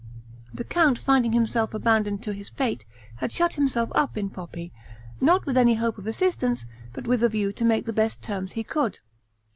The count finding himself abandoned to his fate, had shut himself up in Poppi, not with any hope of assistance, but with a view to make the best terms he could.